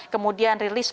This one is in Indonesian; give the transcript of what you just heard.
kemudian rilis perbankan